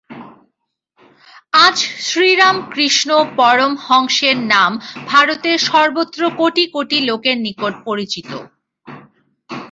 আজ শ্রীরামকৃষ্ণ পরমহংসের নাম ভারতের সর্বত্র কোটি কোটি লোকের নিকট পরিচিত।